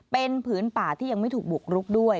เป็นผืนป่าที่ยังไม่ถูกบุกรุกด้วย